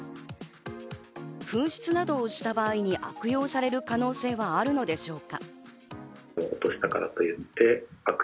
紛失などをした場合に悪用される可能性はあるのでしょうか。